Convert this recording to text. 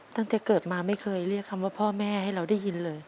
ตั้งแต่เกิดมาไม่เคยเรียกคำว่าพ่อแม่ให้เราได้ยินเลย